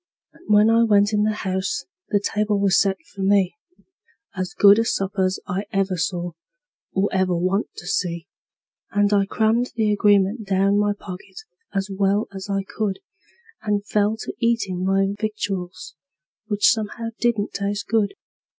And when I went in the house the table was set for me As good a supper's I ever saw, or ever want to see; And I crammed the agreement down my pocket as well as I could, And fell to eatin' my victuals, which somehow didn't taste good.